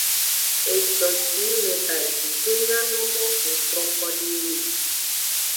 Eco ci yi le baji de nyano mo wo troko do eye nu.